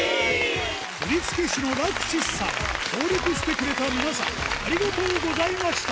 振付師のラクシスさん協力してくれた皆さんありがとうございました